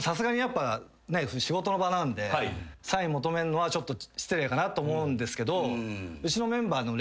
さすがにやっぱ仕事の場なんでサイン求めんのはちょっと失礼かなと思うんですけどうちのメンバーの。